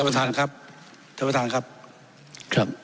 ประธานครับท่านประธานครับครับ